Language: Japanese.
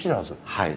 はい。